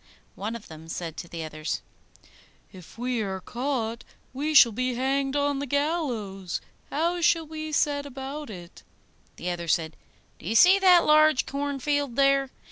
One of them said to the others, 'If we are caught, we shall be hanged on the gallows; how shall we set about it?' The other said, 'Do you see that large cornfield there?